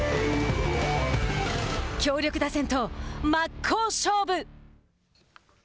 強力打線と真っ向勝負。